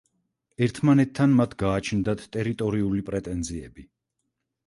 ერთმანეთთან მათ გააჩნდათ ტერიტორიული პრეტენზიები.